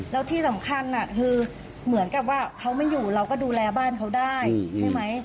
แล้วที่สำคัญคือเหมือนกับว่าเขาไม่อยู่เราก็ดูแลบ้านเขาได้ใช่ไหม